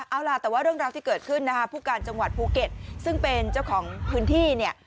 เอาล่ะแต่ว่าเรื่องราวที่เกิดขึ้นนะคะผู้การจังหวัดภูเก็ตซึ่งเป็นเจ้าของพื้นที่เนี่ย